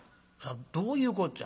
どういうこっちゃ？